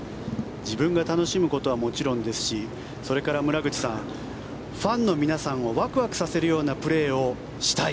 自分が楽しむことはもちろんですしそれから村口さんファンの皆さんをワクワクさせるようなプレーをしたい。